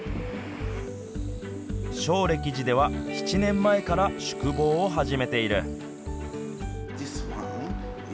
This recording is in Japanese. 正暦寺では７年前から宿坊を始めている。